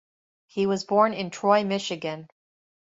He was born in Troy, Michigan.